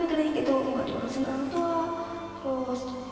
kali gitu aja udah ey